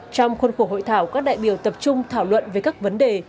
trong khuôn khổ hội thảo các đại biểu tập trung thảo luận về các vấn đề